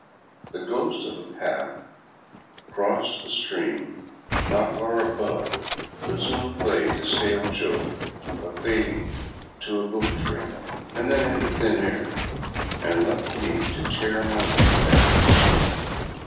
The ghost of a path crossed the stream not far above, but soon played the stale joke of fading to a goat trail, then into thin air, and left me to tear my way back to the stream.